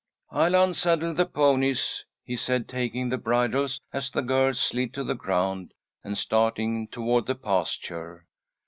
"I'll unsaddle the ponies," he said, taking the bridles as the girls slid to the ground, and starting toward the pasture.